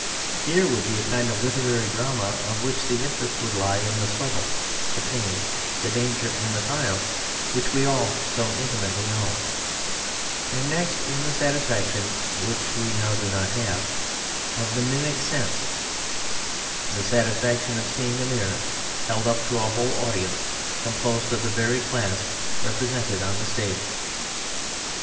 Here would be a kind of literary drama of which the interest would lie in the struggle, the pain, the danger, and the triumph which we all so intimately know, and next in the satisfaction (which we now do not have) of the mimetic sense the satisfaction of seeing a mirror held up to a whole audience composed of the very class represented upon the stage.